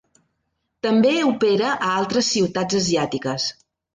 També opera a altres ciutats asiàtiques.